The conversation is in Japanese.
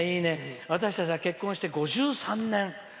「私たちは結婚して５３年」。